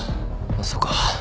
そうか。